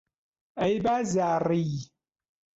ئەی بازاڕی